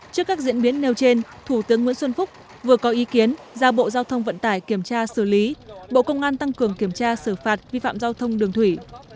trước các diễn biến nêu trên thủ tướng nguyễn xuân phúc vừa có ý kiến ra bộ giao thông vận tải kiểm tra xử lý bộ công an tăng cường kiểm tra xử phạt vi phạm giao thông đường thủy